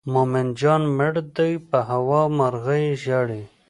مومن جان مړ دی په هوا مرغۍ ژاړي.